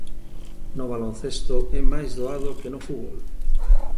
No baloncesto é máis doado que no fútbol.